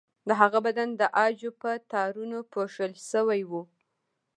د هغه بدن د عاجو په تارونو پوښل شوی و.